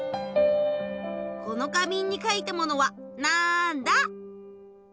この花瓶にかいたものはなんだ？